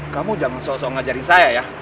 kamu jangan soseong ngajarin saya ya